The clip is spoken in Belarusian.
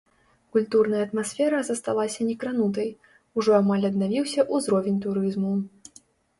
Культурная атмасфера засталася некранутай, ужо амаль аднавіўся ўзровень турызму.